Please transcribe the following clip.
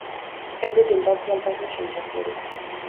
Ez dut inpartzialtasun sentsaziorik.